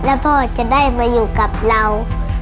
แล้วพ่อจะได้มาอยู่กับเรา